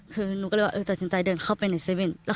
เขาต้องเดินเข้าไปในเซเวนภัณฑ์